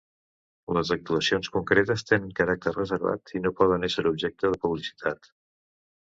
Les actuacions concretes tenen caràcter reservat i no poden ésser objecte de publicitat.